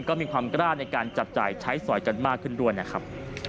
ก็มีความกล้าในการจัดจ่ายใช้สอยกันมากขึ้นรวด